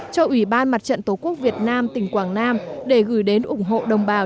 cho ủy ban mặt trận tổ quốc việt nam tỉnh quảng nam để gửi đến ủng hộ đồng bào